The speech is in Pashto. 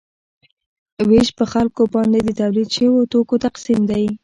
ویش په خلکو باندې د تولید شویو توکو تقسیم دی.